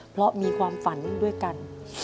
เพราะมีความฝันด้วยกัน